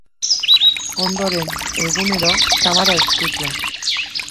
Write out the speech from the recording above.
Ondoren, egunero, kamara ezkutuak.